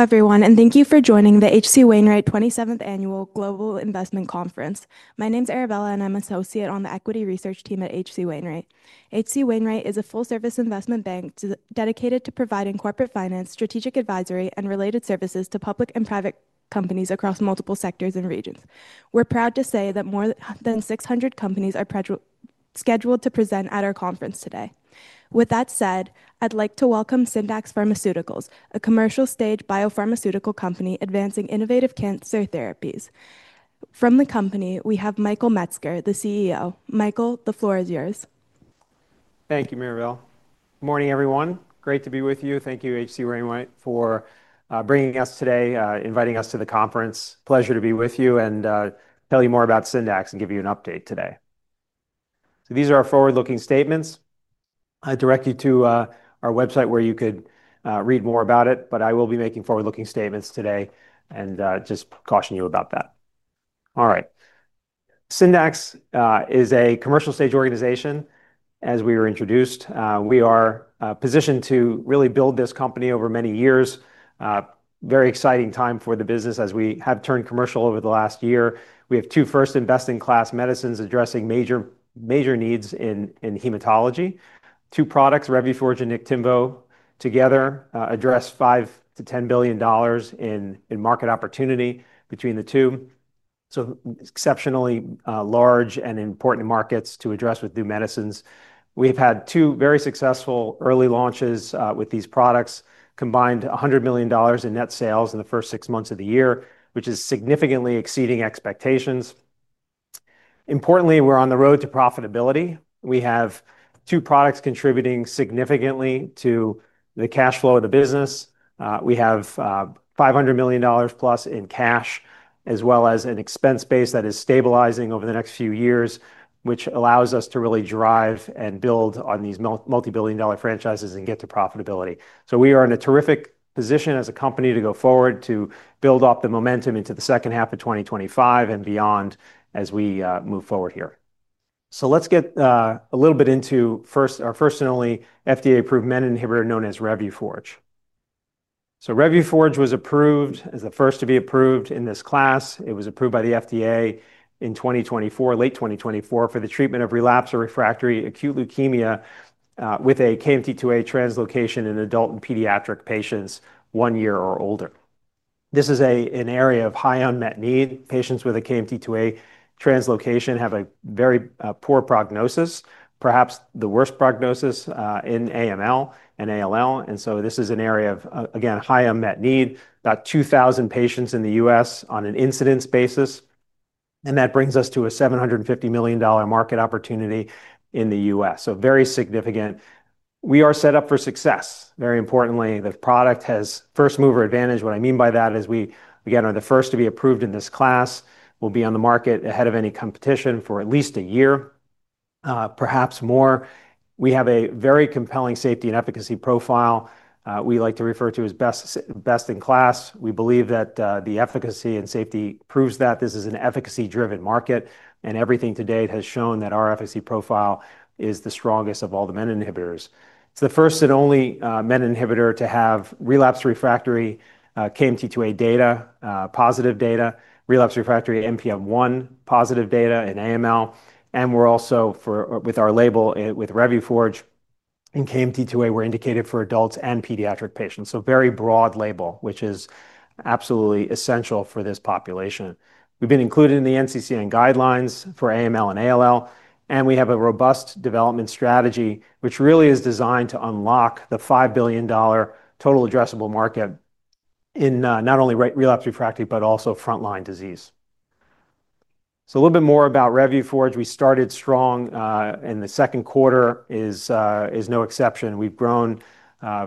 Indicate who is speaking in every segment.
Speaker 1: Hello everyone, and thank you for joining the H.C. Wainwright 27th Annual Global Investment Conference. My name is Arabella, and I'm an Associate on the Equity Research Team at H.C. Wainwright. H.C. Wainwright is a full-service investment bank dedicated to providing corporate finance, strategic advisory, and related services to public and private companies across multiple sectors and regions. We're proud to say that more than 600 companies are scheduled to present at our conference today. With that said, I'd like to welcome Syndax Pharmaceuticals, a commercial-stage biopharmaceutical company advancing innovative cancer therapies. From the company, we have Michael Metzger, the CEO. Michael, the floor is yours.
Speaker 2: Thank you, Maribel. Morning, everyone. Great to be with you. Thank you, H.C. Wainwright, for bringing us today, inviting us to the conference. Pleasure to be with you and tell you more about Syndax Pharmaceuticals and give you an update today. These are our forward-looking statements. I direct you to our website where you could read more about it, but I will be making forward-looking statements today and just caution you about that. All right. Syndax Pharmaceuticals is a commercial-stage organization, as we were introduced. We are positioned to really build this company over many years. A very exciting time for the business as we have turned commercial over the last year. We have two first-in-class medicines addressing major needs in hematology. Two products, Revuforj and Niktimvo, together address $5 billion-$10 billion in market opportunity between the two. Exceptionally large and important markets to address with new medicines. We have had two very successful early launches with these products. Combined, $100 million in net sales in the first six months of the year, which is significantly exceeding expectations. Importantly, we're on the road to profitability. We have two products contributing significantly to the cash flow of the business. We have $500 million+ in cash, as well as an expense base that is stabilizing over the next few years, which allows us to really drive and build on these multi-billion dollar franchises and get to profitability. We are in a terrific position as a company to go forward to build up the momentum into the second half of 2025 and beyond as we move forward here. Let's get a little bit into our first and only FDA-approved menin inhibitor known as Revuforj. Revuforj was approved as the first to be approved in this class. It was approved by the FDA in 2024, late 2024, for the treatment of relapsed or refractory acute leukemia with a KMT2A translocation in adult and pediatric patients one year or older. This is an area of high unmet need. Patients with a KMT2A translocation have a very poor prognosis, perhaps the worst prognosis in AML and ALL. This is an area of, again, high unmet need. About 2,000 patients in the U.S. on an incidence basis. That brings us to a $750 million market opportunity in the U.S. Very significant. We are set up for success. Very importantly, the product has first mover advantage. What I mean by that is we, again, are the first to be approved in this class. We'll be on the market ahead of any competition for at least a year, perhaps more. We have a very compelling safety and efficacy profile. We like to refer to it as best in class. We believe that the efficacy and safety proves that. This is an efficacy-driven market, and everything to date has shown that our efficacy profile is the strongest of all the menin inhibitors. It's the first and only menin inhibitor to have relapsed/refractory KMT2A data, positive data, relapsed/refractory NPM1-positive data in AML. We're also, with our label, with Revuforj and KMT2A, indicated for adults and pediatric patients. Very broad label, which is absolutely essential for this population. We've been included in the NCCN guidelines for AML and ALL, and we have a robust development strategy, which really is designed to unlock the $5 billion total addressable market in not only relapsed/refractory, but also frontline disease. A little bit more about Revuforj. We started strong and the second quarter is no exception. We've grown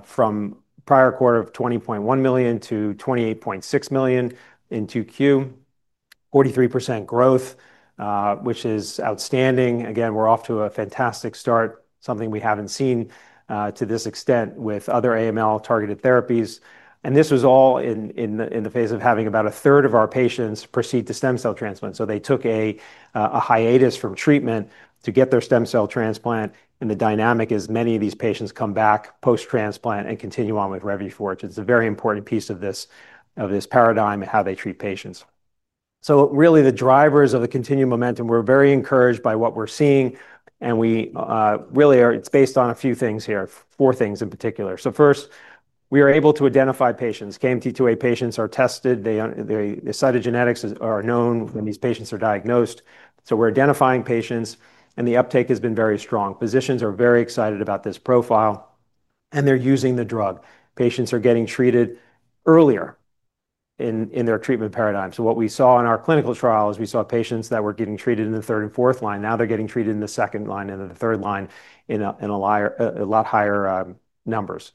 Speaker 2: from the prior quarter of $20.1 million-$28.6 million in 2Q. 43% growth, which is outstanding. We're off to a fantastic start, something we haven't seen to this extent with other AML targeted therapies. This was all in the phase of having about 1/3 of our patients proceed to stem cell transplant. They took a hiatus from treatment to get their stem cell transplant. The dynamic is many of these patients come back post-transplant and continue on with Revuforj. It's a very important piece of this paradigm and how they treat patients. The drivers of the continued momentum, we're very encouraged by what we're seeing. It's based on a few things here, four things in particular. First, we are able to identify patients. KMT2A patients are tested. The cytogenetics are known when these patients are diagnosed. We're identifying patients, and the uptake has been very strong. Physicians are very excited about this profile, and they're using the drug. Patients are getting treated earlier in their treatment paradigm. What we saw in our clinical trial is we saw patients that were getting treated in the third and fourth line. Now they're getting treated in the second line and the third line in a lot higher numbers.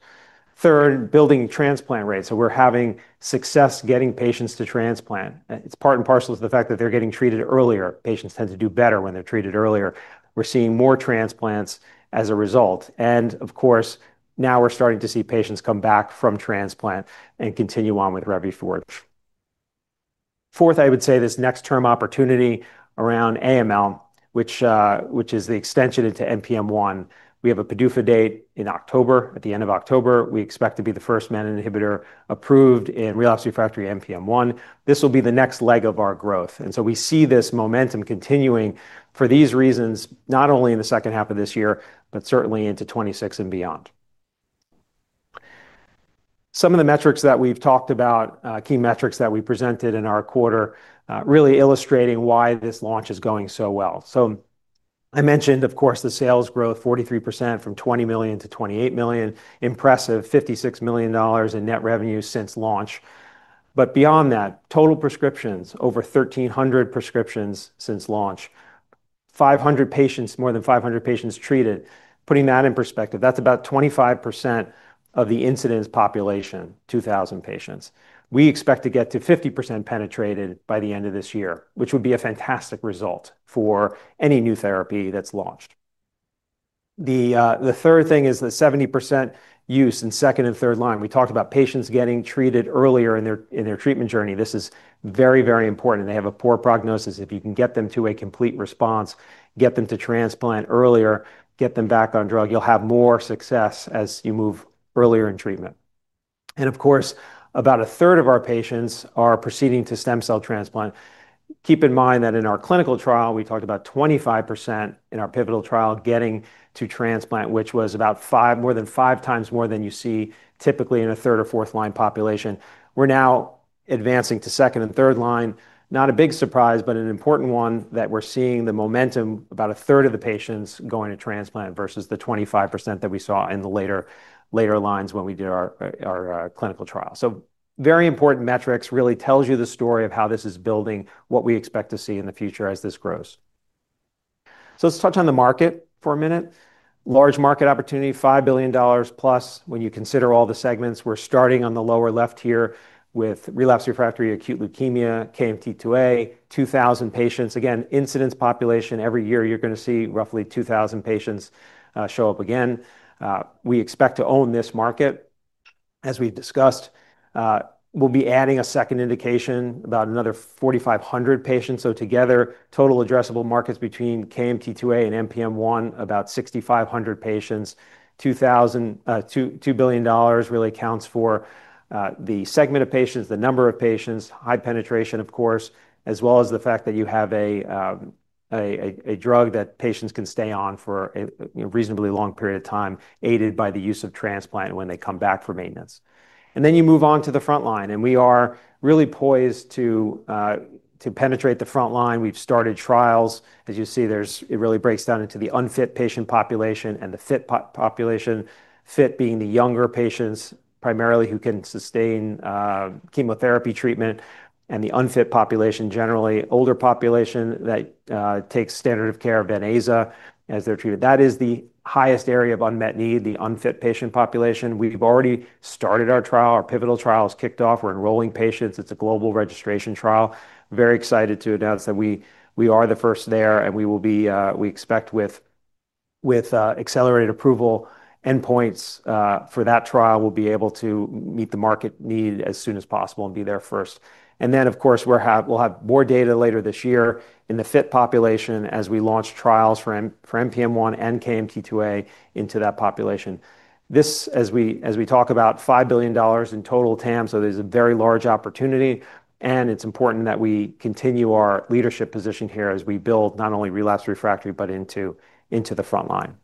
Speaker 2: Third, building transplant rates. We're having success getting patients to transplant. It's part and parcel to the fact that they're getting treated earlier. Patients tend to do better when they're treated earlier. We're seeing more transplants as a result. Of course, now we're starting to see patients come back from transplant and continue on with Revuforj. Fourth, I would say this next term opportunity around AML, which is the extension into NPM1. We have a PDUFA date in October. At the end of October, we expect to be the first menin inhibitor approved in relapsed/refractory NPM1. This will be the next leg of our growth. We see this momentum continuing for these reasons, not only in the second half of this year, but certainly into 2026 and beyond. Some of the metrics that we've talked about, key metrics that we presented in our quarter, really illustrating why this launch is going so well. I mentioned, of course, the sales growth, 43% from $20 million-$28 million. Impressive, $56 million in net revenue since launch. Beyond that, total prescriptions, over 1,300 prescriptions since launch. More than 500 patients treated. Putting that in perspective, that's about 25% of the incidence population, 2,000 patients. We expect to get to 50% penetrated by the end of this year, which would be a fantastic result for any new therapy that's launched. The third thing is the 70% use in second and third line. We talked about patients getting treated earlier in their treatment journey. This is very, very important. They have a poor prognosis. If you can get them to a complete response, get them to transplant earlier, get them back on drug, you'll have more success as you move earlier in treatment. About 1/3 of our patients are proceeding to stem cell transplant. Keep in mind that in our clinical trial, we talked about 25% in our pivotal trial getting to transplant, which was more than 5x more than you see typically in a third or fourth line population. We're now advancing to second and third line. Not a big surprise, but an important one that we're seeing the momentum, about 1/3 of the patients going to transplant versus the 25% that we saw in the later lines when we did our clinical trial. Very important metrics really tell you the story of how this is building what we expect to see in the future as this grows. Let's touch on the market for a minute. Large market opportunity, $5 billion plus when you consider all the segments. We're starting on the lower left here with relapsed/refractory acute leukemia, KMT2A, 2,000 patients. Again, incidence population every year, you're going to see roughly 2,000 patients show up again. We expect to own this market. As we discussed, we'll be adding a second indication, about another 4,500 patients. Together, total addressable market between KMT2A and NPM1, about 6,500 patients. $2 billion really accounts for the segment of patients, the number of patients, high penetration, of course, as well as the fact that you have a drug that patients can stay on for a reasonably long period of time, aided by the use of transplant when they come back for maintenance. You move on to the front line. We are really poised to penetrate the front line. We've started trials. As you see, it really breaks down into the unfit patient population and the fit population. Fit being the younger patients primarily who can sustain chemotherapy treatment, and the unfit population, generally older population that takes standard of care of [venetoclax], as they're treated. That is the highest area of unmet need, the unfit patient population. We've already started our trial. Our pivotal trial has kicked off. We're enrolling patients. It's a global registration trial. Very excited to announce that we are the first there, and we will be, we expect with accelerated approval endpoints for that trial, we'll be able to meet the market need as soon as possible and be there first. Of course, we'll have more data later this year in the fit population as we launch trials for NPM1 and KMT2A into that population. This, as we talk about, $5 billion in total TAM, so there's a very large opportunity, and it's important that we continue our leadership position here as we build not only relapsed/refractory, but into the front line.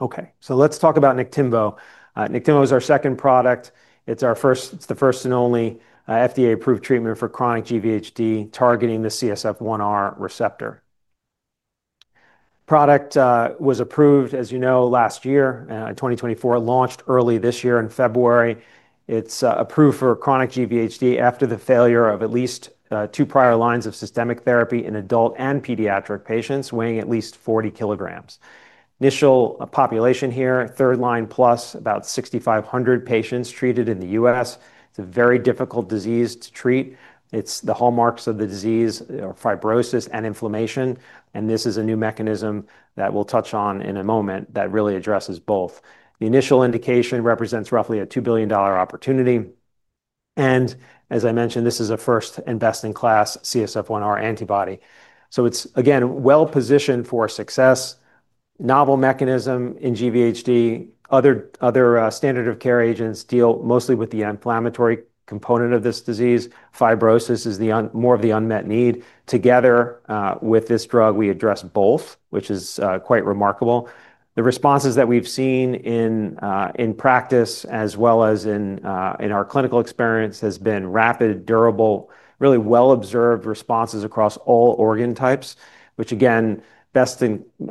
Speaker 2: Okay, let's talk about Niktimvo. Niktimvo is our second product. It's the first and only FDA-approved treatment for chronic GVHD targeting the CSF1R receptor. Product was approved, as you know, last year, in 2023, launched early this year in February. It's approved for chronic GVHD after the failure of at least two prior lines of systemic therapy in adult and pediatric patients weighing at least 40 kg. Initial population here, third line plus, about 6,500 patients treated in the U.S. It's a very difficult disease to treat. The hallmarks of the disease are fibrosis and inflammation, and this is a new mechanism that we'll touch on in a moment that really addresses both. The initial indication represents roughly a $2 billion opportunity. As I mentioned, this is a first and best-in-class CSF1R antibody. It's, again, well positioned for success. A novel mechanism in chronic GVHD. Other standard of care agents deal mostly with the inflammatory component of this disease. Fibrosis is more of the unmet need. Together with this drug, we address both, which is quite remarkable. The responses that we've seen in practice, as well as in our clinical experience, have been rapid, durable, really well-observed responses across all organ types, which, again,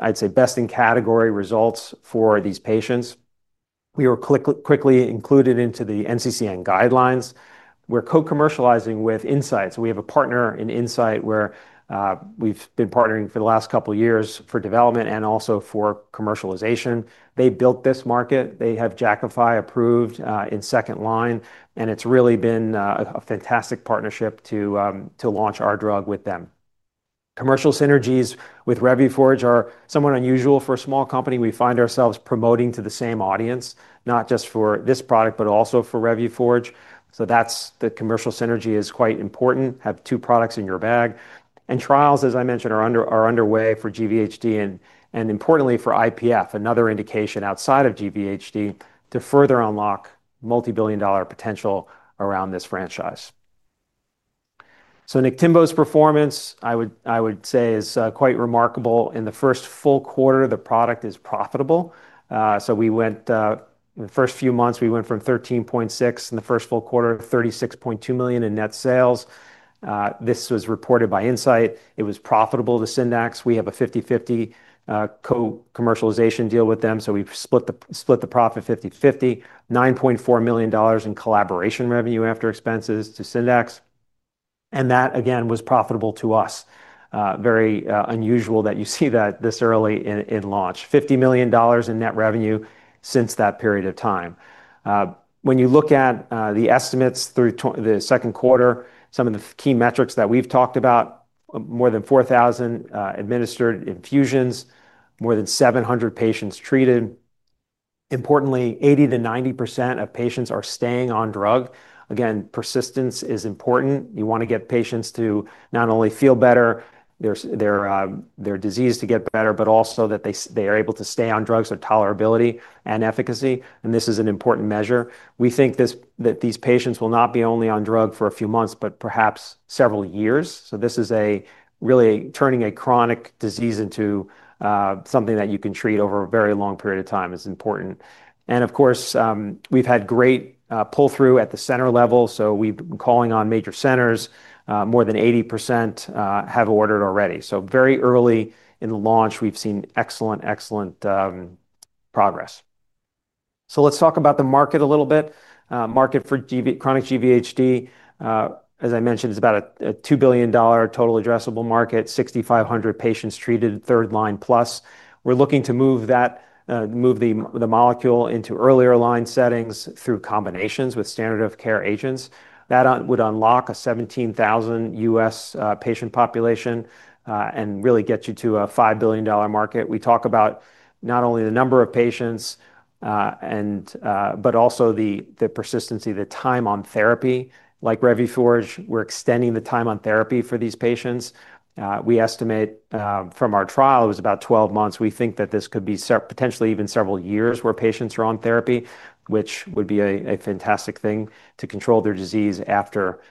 Speaker 2: I'd say best in category results for these patients. We were quickly included into the NCCN guidelines. We're co-commercializing with Incyte. We have a partner in Incyte where we've been partnering for the last couple of years for development and also for commercialization. They built this market. They have Jakafi approved in second line, and it's really been a fantastic partnership to launch our drug with them. Commercial synergies with Revuforj are somewhat unusual for a small company. We find ourselves promoting to the same audience, not just for this product, but also for Revuforj. The commercial synergy is quite important. Have two products in your bag. Trials, as I mentioned, are underway for chronic GVHD and importantly for IPF, another indication outside of chronic GVHD to further unlock multi-billion dollar potential around this franchise. Niktimvo's performance, I would say, is quite remarkable. In the first full quarter, the product is profitable. We went the first few months, we went from $13.6 million in the first full quarter, $36.2 million in net sales. This was reported by Incyte. It was profitable to Syndax Pharmaceuticals. We have a 50-50 co-commercialization deal with them. We've split the profit 50/50, $9.4 million in collaboration revenue after expenses to Syndax Pharmaceuticals. That, again, was profitable to us. Very unusual that you see that this early in launch. $50 million in net revenue since that period of time. When you look at the estimates through the second quarter, some of the key metrics that we've talked about, more than 4,000 administered infusions, more than 700 patients treated. Importantly, 80%-90% of patients are staying on drug. Persistence is important. You want to get patients to not only feel better, their disease to get better, but also that they are able to stay on drugs, their tolerability and efficacy. This is an important measure. We think that these patients will not be only on drug for a few months, but perhaps several years. This is really turning a chronic disease into something that you can treat over a very long period of time, which is important. Of course, we've had great pull-through at the center level. We've been calling on major centers. More than 80% have ordered already. Very early in launch, we've seen excellent, excellent progress. Let's talk about the market a little bit. Market for chronic GVHD, as I mentioned, is about a $2 billion total addressable market, 6,500 patients treated, third line plus. We're looking to move the molecule into earlier line settings through combinations with standard of care agents. That would unlock a 17,000 U.S. patient population and really get you to a $5 billion market. We talk about not only the number of patients, but also the persistency, the time on therapy. Like Revuforj, we're extending the time on therapy for these patients. We estimate from our trial, it was about 12 months. We think that this could be potentially even several years where patients are on therapy, which would be a fantastic thing to control their disease after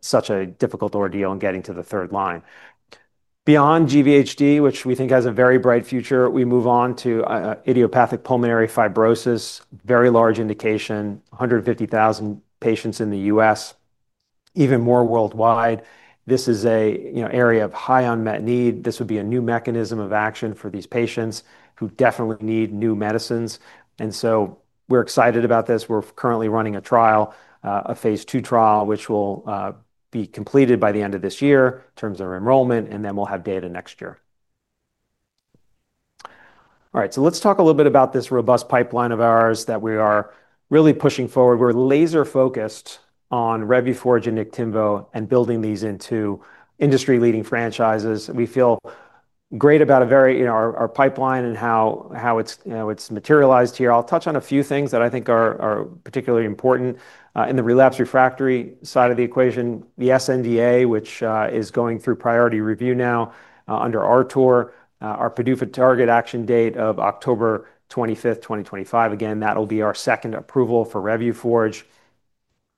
Speaker 2: such a difficult ordeal in getting to the third line. Beyond graft-versus-host disease, which we think has a very bright future, we move on to idiopathic pulmonary fibrosis, very large indication, 150,000 patients in the U.S., even more worldwide. This is an area of high unmet need. This would be a new mechanism of action for these patients who definitely need new medicines. We're excited about this. We're currently running a trial, a phase II trial, which will be completed by the end of this year in terms of enrollment, and then we'll have data next year. Let's talk a little bit about this robust pipeline of ours that we are really pushing forward. We're laser-focused on Revuforj and Niktimvo and building these into industry-leading franchises. We feel great about our pipeline and how it's materialized here. I'll touch on a few things that I think are particularly important. In the relapsed/refractory side of the equation, the SNDA, which is going through Priority Review now under our tour, our PDUFA target action date of October 25th, 2025. That'll be our second approval for Revuforj.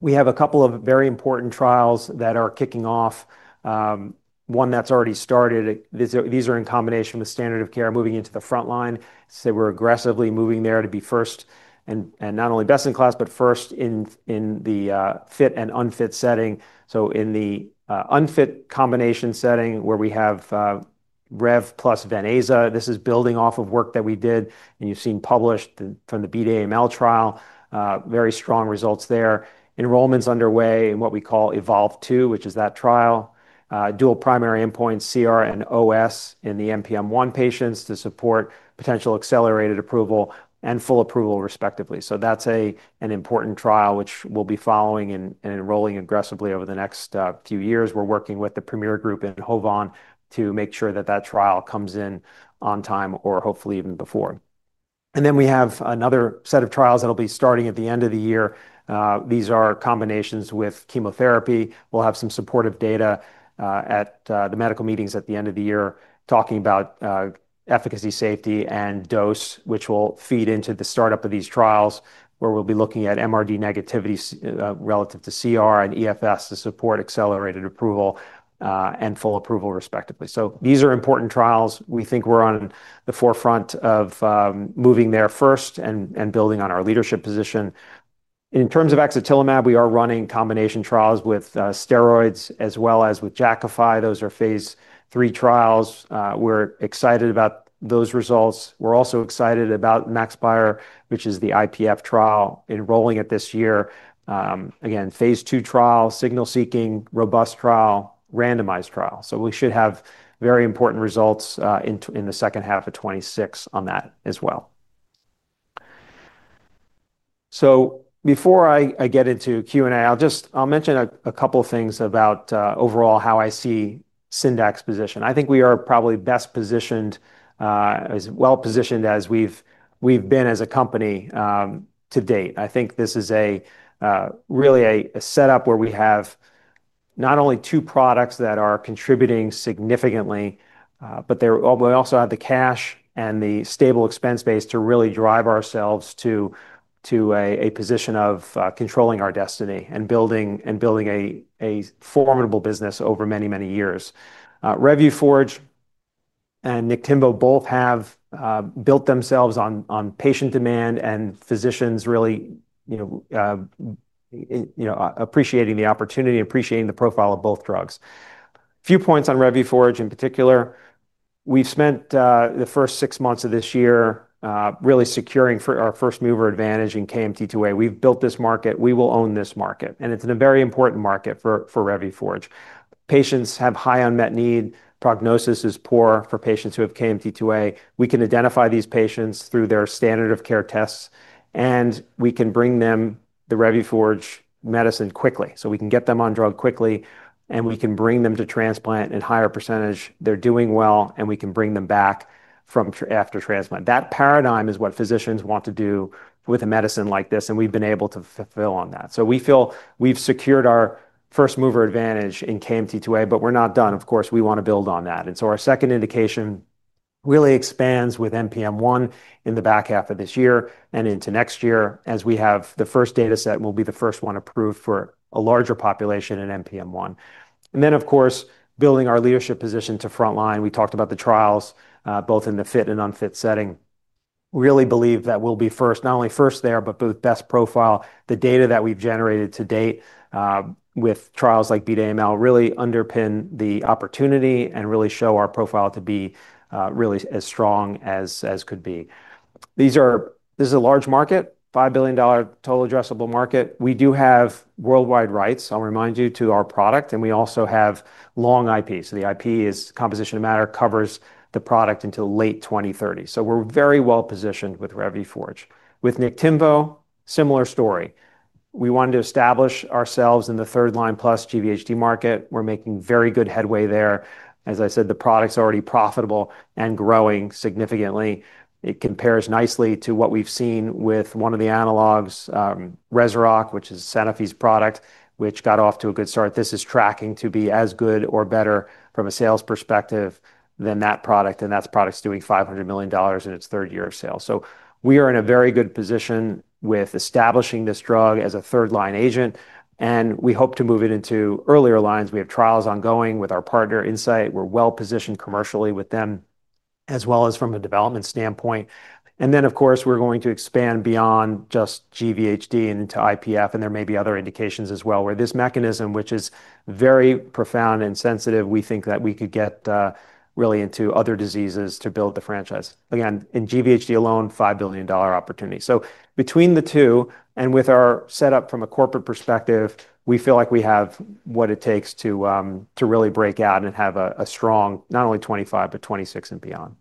Speaker 2: We have a couple of very important trials that are kicking off, one that's already started. These are in combination with standard of care moving into the front line. I'd say we're aggressively moving there to be first and not only best in class, but first in the fit and unfit setting. In the unfit combination setting where we have Revuforj plus [venetoclax], this is building off of work that we did and you've seen published from the BDA-ML trial. Very strong results there. Enrollment's underway in what we call EVOLVE-2, which is that trial. Dual primary endpoints, CR and OS in the NPM1 patients to support potential accelerated approval and full approval, respectively. That's an important trial which we'll be following and enrolling aggressively over the next few years. We're working with a premier group named HOVON to make sure that that trial comes in on time or hopefully even before. We have another set of trials that'll be starting at the end of the year. These are combinations with chemotherapy. We'll have some supportive data at the medical meetings at the end of the year talking about efficacy, safety, and dose, which will feed into the startup of these trials where we'll be looking at MRD negativities relative to CR and EFS to support accelerated approval and full approval, respectively. These are important trials. We think we're on the forefront of moving there first and building on our leadership position. In terms of axatilimab, we are running combination trials with steroids as well as with Jakafi. Those are phase III trials. We're excited about those results. We're also excited about the MAXPIRe, which is the IPF trial, enrolling it this year. Again, phase II trial, signal-seeking, robust trial, randomized trial. We should have very important results in the second half of 2026 on that as well. Before I get into Q&A, I'll just mention a couple of things about overall how I see Syndax Pharmaceuticals' position. I think we are probably best positioned, as well positioned as we've been as a company to date. I think this is really a setup where we have not only two products that are contributing significantly, but we also have the cash and the stable expense base to really drive ourselves to a position of controlling our destiny and building a formidable business over many, many years. Revuforj and Niktimvo both have built themselves on patient demand and physicians really appreciating the opportunity, appreciating the profile of both drugs. A few points on Revuforj in particular. We've spent the first six months of this year really securing our first mover advantage in KMT2A. We've built this market. We will own this market. It's a very important market for Revuforj. Patients have high unmet need. Prognosis is poor for patients who have KMT2A. We can identify these patients through their standard of care tests, and we can bring them the Revuforj medicine quickly. We can get them on drug quickly, and we can bring them to transplant in a higher percentage. They're doing well, and we can bring them back after transplant. That paradigm is what physicians want to do with a medicine like this, and we've been able to fulfill on that. We feel we've secured our first mover advantage in KMT2A, but we're not done. Of course, we want to build on that. Our second indication really expands with NPM1 in the back half of this year and into next year as we have the first data set and we'll be the first one approved for a larger population in NPM1. Then, of course, building our leadership position to front line. We talked about the trials both in the fit and unfit setting. We really believe that we'll be first, not only first there, but both best profile. The data that we've generated to date with trials like BDA-ML really underpin the opportunity and really show our profile to be really as strong as could be. This is a large market, $5 billion total addressable market. We do have worldwide rights, I'll remind you, to our product, and we also have long IP. The IP is composition of matter, covers the product until late 2030. We're very well positioned with Revuforj. With Niktimvo, similar story. We wanted to establish ourselves in the third line plus GVHD market. We're making very good headway there. As I said, the product's already profitable and growing significantly. It compares nicely to what we've seen with one of the analogs, REZUROCK, which is Sanofi's product, which got off to a good start. This is tracking to be as good or better from a sales perspective than that product, and that product's doing $500 million in its third year of sales. We are in a very good position with establishing this drug as a third line agent, and we hope to move it into earlier lines. We have trials ongoing with our partner, Incyte. We're well positioned commercially with them, as well as from a development standpoint. Of course, we're going to expand beyond just GVHD and into IPF, and there may be other indications as well where this mechanism, which is very profound and sensitive, we think that we could get really into other diseases to build the franchise. In GVHD alone, $5 billion opportunity. Between the two and with our setup from a corporate perspective, we feel like we have what it takes to really break out and have a strong, not only 2025, but 2026 and beyond.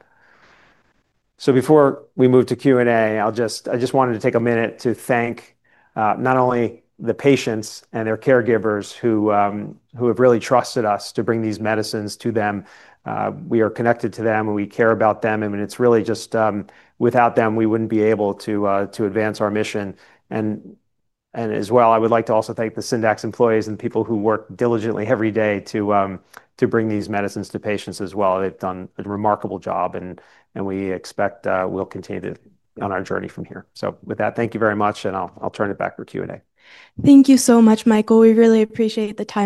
Speaker 2: Before we move to Q&A, I just wanted to take a minute to thank not only the patients and their caregivers who have really trusted us to bring these medicines to them. We are connected to them, and we care about them. It's really just without them, we wouldn't be able to advance our mission. I would like to also thank the Syndax Pharmaceuticals employees and the people who work diligently every day to bring these medicines to patients as well. They've done a remarkable job, and we expect we'll continue on our journey from here. With that, thank you very much, and I'll turn it back for Q&A.
Speaker 1: Thank you so much, Michael. We really appreciate the time.